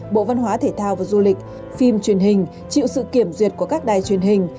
bộ văn hóa thể thao và du lịch phim truyền hình chịu sự kiểm duyệt của các đài truyền hình